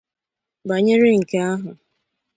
bànyere nke ahụ.